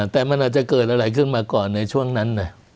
แต่มันอาจจะเกิดอะไรขึ้นมาก่อนในช่วงนั้น